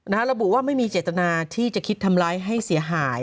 ระบุว่าไม่มีเจตนาที่จะคิดทำร้ายให้เสียหาย